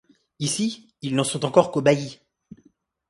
Ici, ils n'en sont encore qu'aux baillis!